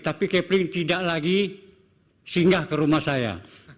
tapi capling tidak lagi singgah ke rumah saya